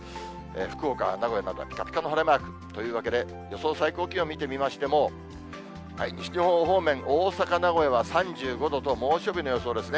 福岡や名古屋などはぴかぴかの晴れマークというわけで、予想最高気温見てみましても、西日本方面、大阪、名古屋は３５度と、猛暑日の予想ですね。